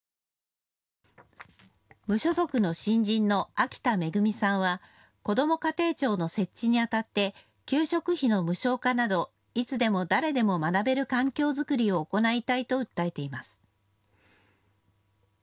無所属の新人の秋田恵さんはこども家庭庁の設置にあたって給食費の無償化など、いつでも誰でも学べる環境づくりを行いたいと訴えています。